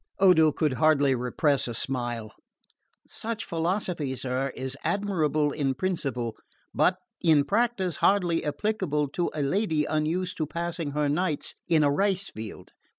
Odo could hardly repress a smile. "Such philosophy, sir, is admirable in principle, but in practice hardly applicable to a lady unused to passing her nights in a rice field.